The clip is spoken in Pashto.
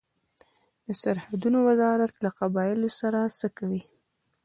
د سرحدونو وزارت له قبایلو سره څه کوي؟